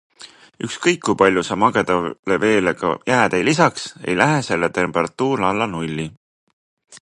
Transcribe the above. Ükskõik, kui palju sa magedale veele ka jääd ei lisaks, ei lähe selle temperatuur alla nulli.